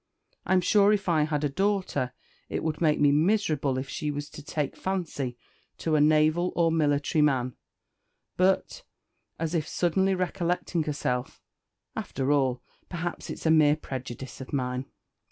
I'm sure if I had a daughter it would make me miserable if she was to take fancy to a naval or military man; but," as if suddenly recollecting herself, "after all, perhaps it's a mere prejudice of mine."